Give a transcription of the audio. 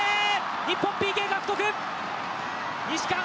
日本、ＰＫ獲得。